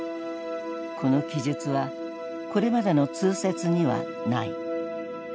この記述はこれまでの通説にはない。